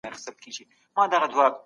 په قصاص کي د ټولني لپاره ژوند دی.